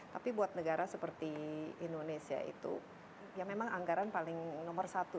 tapi buat negara seperti indonesia itu ya memang anggaran paling nomor satu